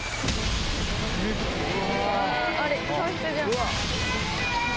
あれ教室じゃん。